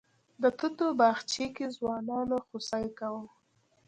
د توتو باغچې کې ځوانانو خوسی کوه.